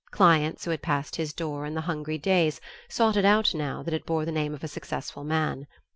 Clients who had passed his door in the hungry days sought it out now that it bore the name of a successful man.